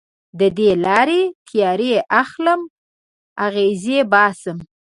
د دې لارې تیارې اخلم اغزې باسم